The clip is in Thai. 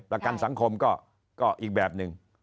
ประกันสังคมก็อีกแบบหนึ่ง